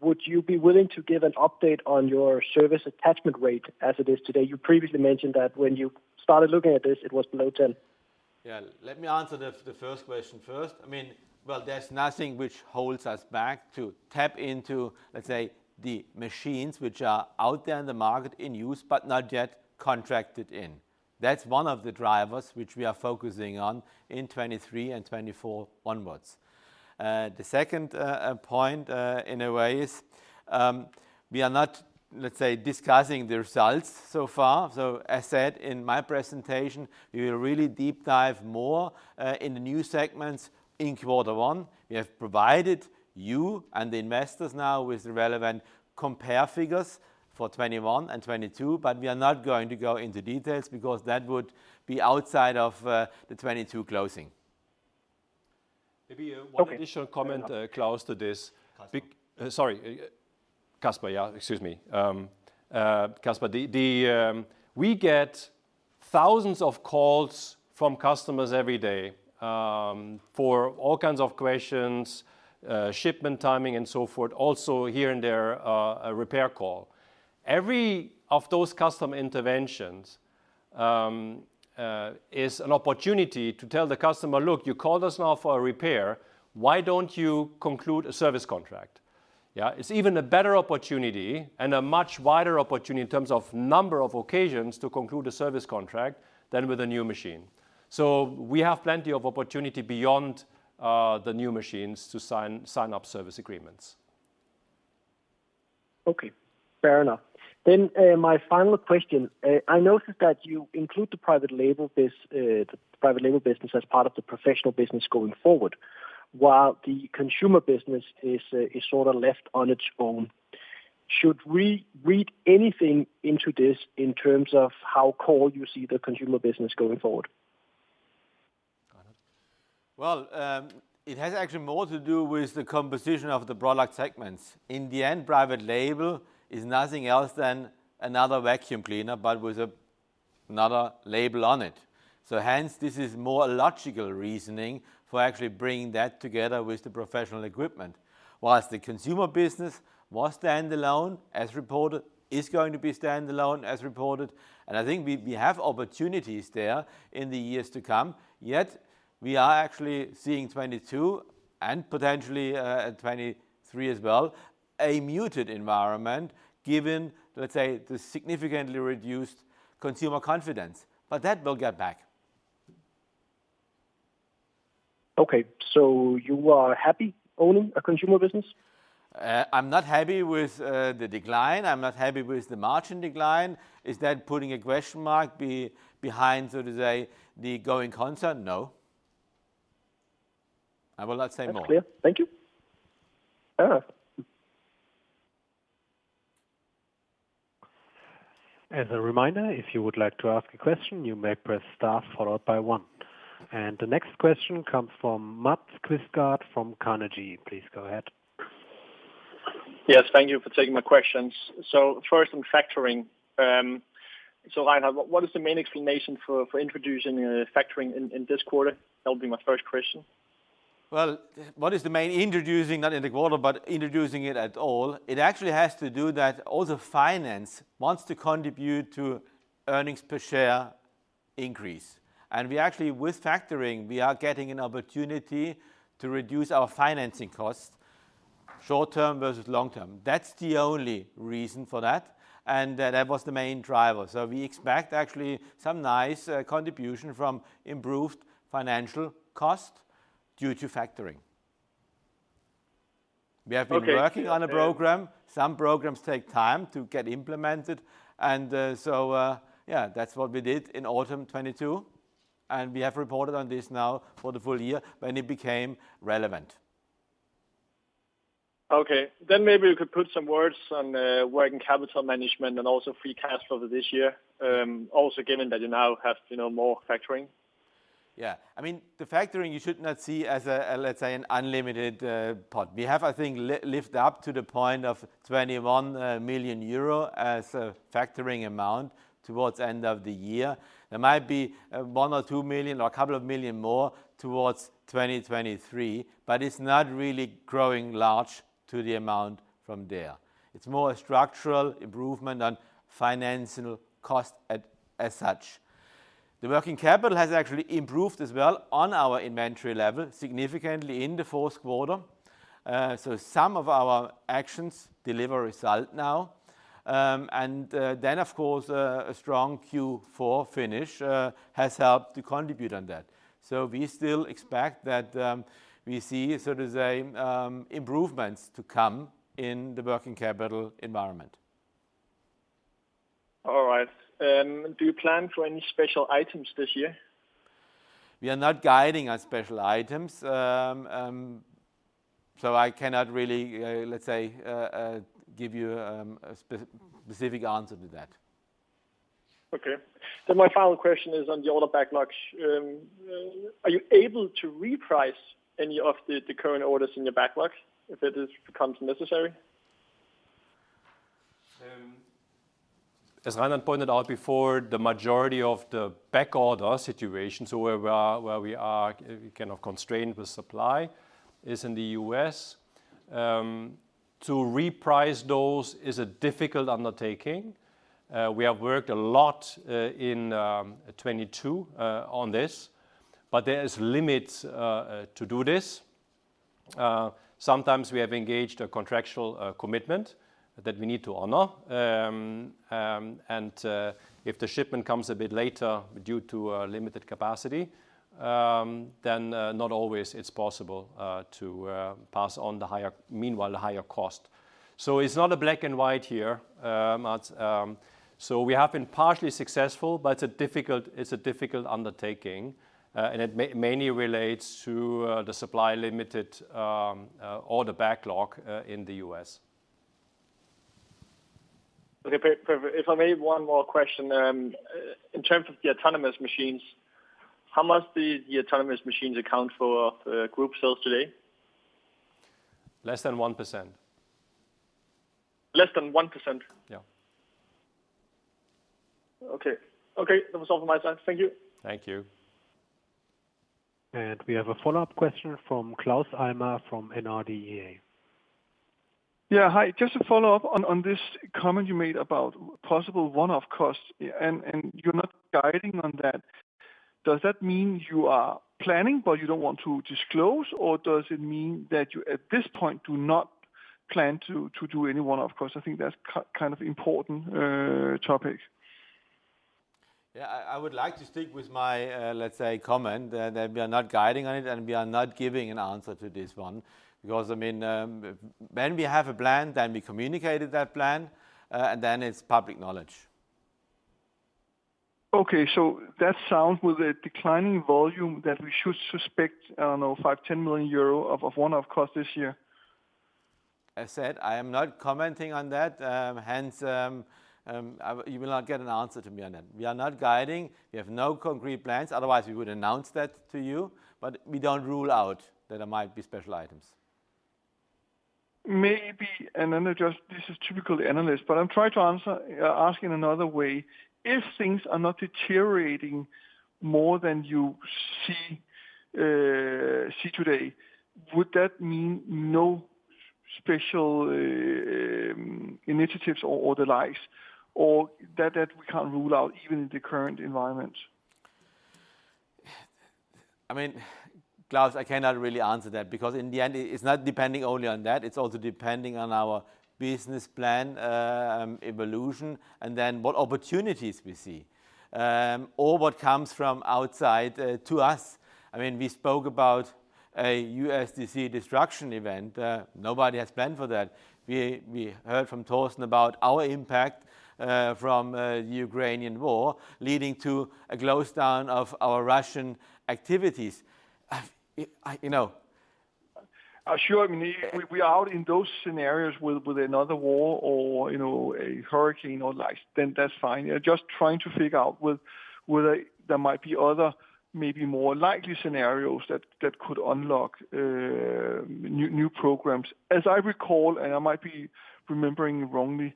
[SPEAKER 7] would you be willing to give an update on your service attachment rate as it is today? You previously mentioned that when you started looking at this, it was below 10.
[SPEAKER 3] Yeah. Let me answer the first question first. I mean, well, there's nothing which holds us back to tap into, let's say, the machines which are out there in the market in use, but not yet contracted in. That's one of the drivers which we are focusing on in 2023 and 2024 onwards. The second point in a way is, we are not, let's say, discussing the results so far. As said in my presentation, we will really deep dive more in the new segments in quarter one. We have provided you and the investors now with relevant compare figures for 2021 and 2022, but we are not going to go into details because that would be outside of the 2022 closing.
[SPEAKER 2] Maybe, one additional comment.
[SPEAKER 7] Okay. Fair enough.
[SPEAKER 2] Claus to this.
[SPEAKER 3] Casper.
[SPEAKER 2] Sorry. Casper, yeah. Excuse me. Casper. We get thousands of calls from customers every day, for all kinds of questions, shipment timing and so forth. Also here and there, a repair call. Every of those customer interventions is an opportunity to tell the customer, "Look, you called us now for a repair. Why don't you conclude a service contract?" Yeah. It's even a better opportunity and a much wider opportunity in terms of number of occasions to conclude a service contract than with a new machine. We have plenty of opportunity beyond the new machines to sign up service agreements.
[SPEAKER 7] Okay. Fair enough. My final question. I noticed that you include the private label business as part of the professional business going forward, while the consumer business is sort of left on its own. Should we read anything into this in terms of how core you see the consumer business going forward?
[SPEAKER 3] It has actually more to do with the composition of the product segments. In the end, private label is nothing else than another vacuum cleaner, but with another label on it. This is more logical reasoning for actually bringing that together with the professional equipment. Whilst the consumer business was standalone as reported, is going to be standalone as reported, and I think we have opportunities there in the years to come. We are actually seeing 2022 and potentially 2023 as well, a muted environment given, let's say, the significantly reduced consumer confidence. That will get back.
[SPEAKER 7] Okay. You are happy owning a consumer business?
[SPEAKER 3] I'm not happy with the decline. I'm not happy with the margin decline. Is that putting a question mark behind, so to say, the going concern? No. I will not say more.
[SPEAKER 7] That's clear. Thank you.
[SPEAKER 4] As a reminder, if you would like to ask a question, you may press star followed by one. The next question comes from Mads Quistgaard from Carnegie. Please go ahead.
[SPEAKER 8] Yes, thank you for taking my questions. First on factoring. Reinhard, what is the main explanation for introducing factoring in this quarter? That'll be my first question.
[SPEAKER 3] Well, what is the main introducing not in the quarter, but introducing it at all. It actually has to do that all the finance wants to contribute to earnings per share increase. We actually, with factoring, we are getting an opportunity to reduce our financing costs short-term versus long-term. That's the only reason for that, and that was the main driver. We expect actually some nice contribution from improved financial cost due to factoring.
[SPEAKER 8] Okay.
[SPEAKER 3] We have been working on a program. Some programs take time to get implemented and, so, yeah, that's what we did in autumn 2022, and we have reported on this now for the full year when it became relevant.
[SPEAKER 8] Okay. maybe you could put some words on, working capital management and also free cash flow for this year, also given that you now have, you know, more factoring.
[SPEAKER 3] Yeah. I mean, the factoring you should not see as a, let's say, an unlimited pot. We have, I think, lift up to the point of 21 million euro as a factoring amount towards end of the year. There might be one or two million or a couple of million more towards 2023, it's not really growing large to the amount from there. It's more a structural improvement on financial cost as such. The working capital has actually improved as well on our inventory level significantly in the fourth quarter. Some of our actions deliver result now. Of course, a strong Q4 finish has helped to contribute on that. We still expect that we see sort of the same improvements to come in the working capital environment.
[SPEAKER 8] All right. Do you plan for any special items this year?
[SPEAKER 3] We are not guiding on special items, so I cannot really, let's say, give you a specific answer to that.
[SPEAKER 8] Okay. My final question is on the order backlogs. Are you able to reprice any of the current orders in your backlogs if it is becomes necessary?
[SPEAKER 2] As Reinhard pointed out before, the majority of the backorder situation, so where we are, where we are kind of constrained with supply, is in the U.S. To reprice those is a difficult undertaking. We have worked a lot in 2022 on this, but there is limits to do this. Sometimes we have engaged a contractual commitment that we need to honor. If the shipment comes a bit later due to limited capacity, then not always it's possible to pass on the higher meanwhile the higher cost. It's not a black and white here. We have been partially successful, but it's a difficult, it's a difficult undertaking. It ma-mainly relates to the supply limited order backlog in the U.S.
[SPEAKER 8] Okay. Per, if I may, one more question. In terms of the autonomous machines, how much do the autonomous machines account for group sales today?
[SPEAKER 2] Less than 1%.
[SPEAKER 8] Less than 1%?
[SPEAKER 2] Yeah.
[SPEAKER 8] Okay. Okay. That was all from my side. Thank you.
[SPEAKER 2] Thank you.
[SPEAKER 4] We have a follow-up question from Claus Almer from Nordea.
[SPEAKER 5] Yeah, Hi. Just to follow up on this comment you made about possible one-off costs, and you're not guiding on that. Does that mean you are planning, but you don't want to disclose, or does it mean that you, at this point, do not plan to do any one-off costs? I think that's kind of important topic.
[SPEAKER 3] Yeah. I would like to stick with my, let's say, comment that we are not guiding on it, and we are not giving an answer to this one. I mean, when we have a plan, we communicated that plan, it's public knowledge.
[SPEAKER 5] Okay. That sounds with a declining volume that we should suspect, I don't know, 5 million-10 million euro of one-off cost this year.
[SPEAKER 3] I said I am not commenting on that. You will not get an answer to me on that. We are not guiding. We have no concrete plans. Otherwise, we would announce that to you. We don't rule out that there might be special items.
[SPEAKER 5] Maybe, this is typical analyst, but I'll try to ask in another way. If things are not deteriorating more than you see today, would that mean no special initiatives or the likes, or that we can't rule out even in the current environment?
[SPEAKER 3] I mean, Claus, I cannot really answer that because in the end, it's not depending only on that. It's also depending on our business plan, evolution and then what opportunities we see, or what comes from outside to us. I mean, we spoke about a USDC destruction event. Nobody has planned for that. We heard from Torsten about our impact from the Ukrainian war leading to a close down of our Russian activities. You know.
[SPEAKER 5] Sure. I mean, we are out in those scenarios with another war or, you know, a hurricane or like, then that's fine. Yeah, just trying to figure out whether there might be other, maybe more likely scenarios that could unlock new programs. As I recall, and I might be remembering wrongly,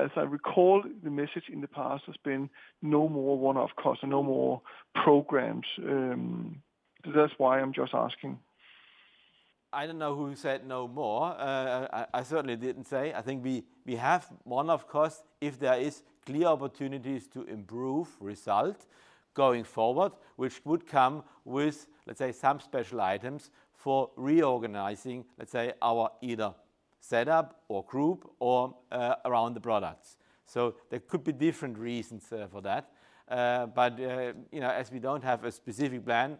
[SPEAKER 5] as I recall, the message in the past has been no more one-off costs, no more programs. That's why I'm just asking.
[SPEAKER 3] I don't know who said no more. I certainly didn't say. I think we have one of course, if there is clear opportunities to improve result going forward, which would come with, let's say, some special items for reorganizing, let's say, our either set up or group or around the products. There could be different reasons for that. You know, as we don't have a specific plan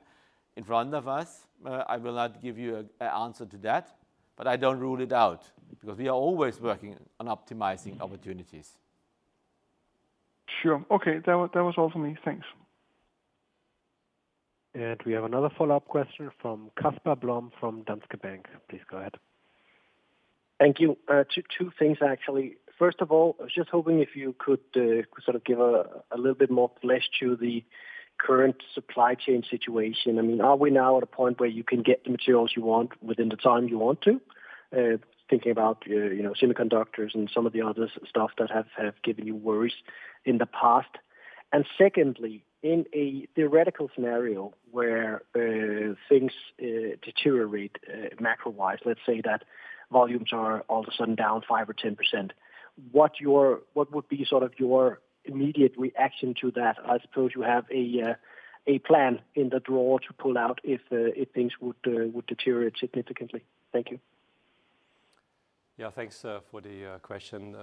[SPEAKER 3] in front of us, I will not give you a answer to that, but I don't rule it out because we are always working on optimizing opportunities.
[SPEAKER 5] Sure. Okay. That was all for me. Thanks.
[SPEAKER 4] We have another follow-up question from Casper Blom from Danske Bank. Please go ahead.
[SPEAKER 7] Thank you. Two things actually. First of all, I was just hoping if you could sort of give a little bit more flesh to the current supply chain situation. I mean, are we now at a point where you can get the materials you want within the time you want to? Thinking about, you know, semiconductors and some of the other stuff that have given you worries in the past. Secondly, in a theoretical scenario where things deteriorate macro-wise. Let's say that volumes are all of a sudden down 5% or 10%, what would be sort of your immediate reaction to that? I suppose you have a plan in the drawer to pull out if things would deteriorate significantly. Thank you.
[SPEAKER 2] Thanks for the question,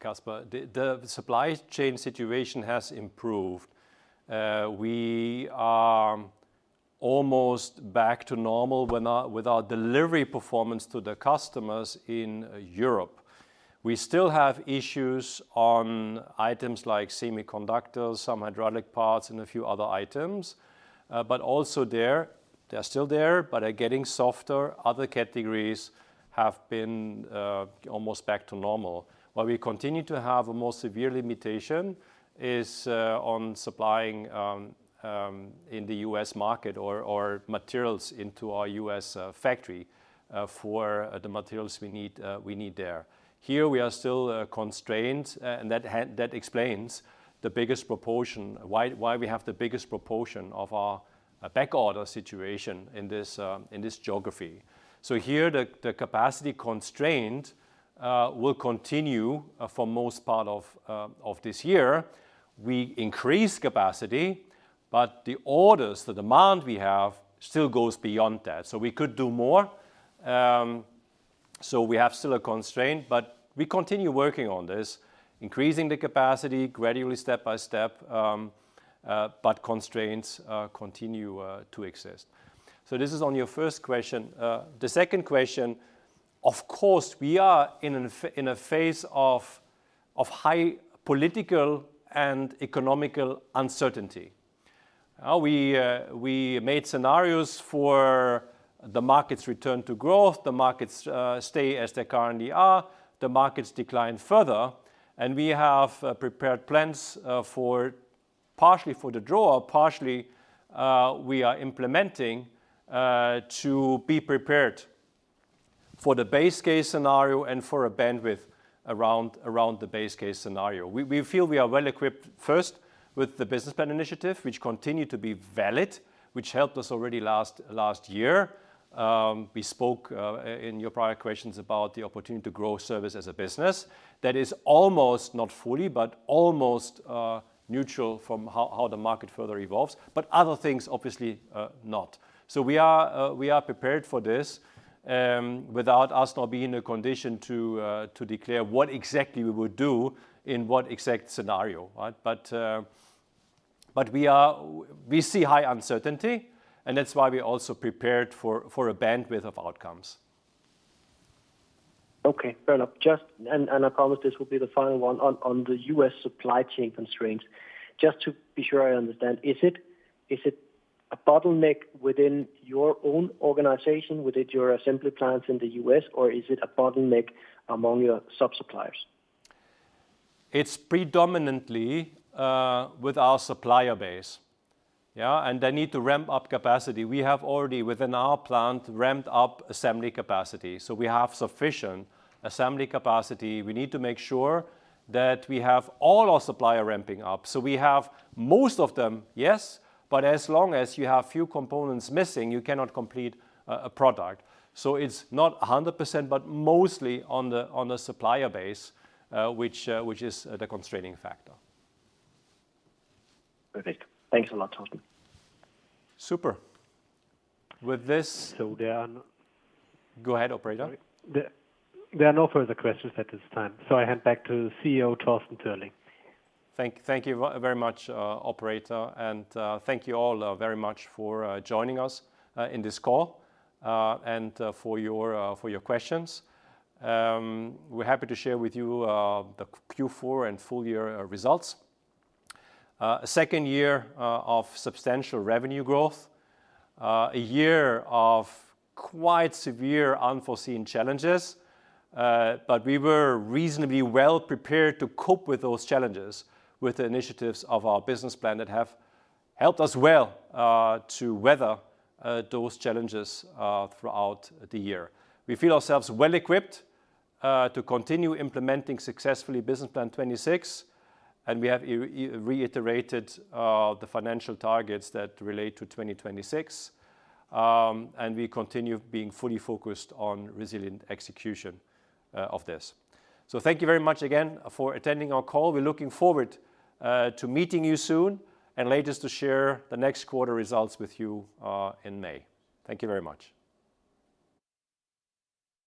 [SPEAKER 2] Casper. The supply chain situation has improved. We are almost back to normal with our delivery performance to the customers in Europe. We still have issues on items like semiconductors, some hydraulic parts, and a few other items. Also there, they're still there, but are getting softer. Other categories have been almost back to normal. Where we continue to have a more severe limitation is on supplying in the U.S. market or materials into our U.S. factory for the materials we need, we need there. Here, we are still constrained, and that explains the biggest proportion why we have the biggest proportion of our back order situation in this geography. Here, the capacity constraint will continue for most part of this year. We increase capacity, but the orders, the demand we have still goes beyond that. We could do more, we have still a constraint, but we continue working on this, increasing the capacity gradually step-by-step, but constraints continue to exist. This is on your first question. The second question, of course, we are in a phase of high political and economical uncertainty. We made scenarios for the market's return to growth, the markets stay as they currently are, the markets decline further, and we have prepared plans for partially for the draw, partially, we are implementing to be prepared for the base case scenario and for a bandwidth around the base case scenario. We feel we are well equipped, first, with the business plan initiative, which continue to be valid, which helped us already last year. We spoke in your prior questions about the opportunity to grow service as a business. That is almost, not fully, but almost neutral from how the market further evolves, but other things obviously, not. We are prepared for this, without us not being in a condition to declare what exactly we would do in what exact scenario, right? We see high uncertainty, and that's why we're also prepared for a bandwidth of outcomes.
[SPEAKER 7] Okay. Fair enough. Just, and I promise this will be the final one on the U.S. supply chain constraints. Just to be sure I understand, is it a bottleneck within your own organization, within your assembly plants in the U.S., or is it a bottleneck among your sub-suppliers?
[SPEAKER 2] It's predominantly with our supplier base. Yeah. They need to ramp up capacity. We have already within our plant ramped up assembly capacity. We have sufficient assembly capacity. We need to make sure that we have all our supplier ramping up. We have most of them, yes, but as long as you have few components missing, you cannot complete a product. It's not 100%, but mostly on the supplier base, which is the constraining factor.
[SPEAKER 7] Perfect. Thanks a lot, Torsten.
[SPEAKER 2] Super.
[SPEAKER 4] There are.
[SPEAKER 2] Go ahead, operator.
[SPEAKER 4] Sorry. There are no further questions at this time. I hand back to CEO Torsten Türling.
[SPEAKER 2] Thank you very much operator and thank you all very much for joining us in this call and for your for your questions. We're happy to share with you the Q4 and full year results. A second year of substantial revenue growth. A year of quite severe unforeseen challenges, but we were reasonably well prepared to cope with those challenges with the initiatives of our business plan that have helped us well to weather those challenges throughout the year. We feel ourselves well equipped to continue implementing successfully Business Plan 2026, and we have reiterated the financial targets that relate to 2026. We continue being fully focused on resilient execution of this. Thank you very much again for attending our call. We're looking forward to meeting you soon, and later to share the next quarter results with you in May. Thank you very much.